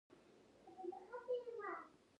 ژوند او مقاومتونه کړي دي.